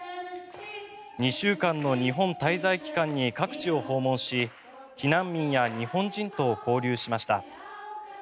２週間の日本滞在期間に各地を訪問し避難民や日本人と交流しました。